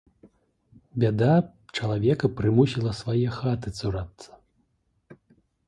Бяда чалавека прымусіла свае хаты цурацца.